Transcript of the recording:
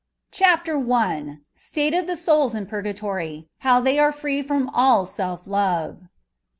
CHAPTER I. STATE OF THE SOULS IN PUEOATORT, HOW THET ARE FREE FROBf ALL SELF LOYE.